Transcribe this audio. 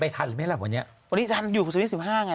ไม่หมายถึงว่าเขาเป็นคนใต้มาขอคุณช้าง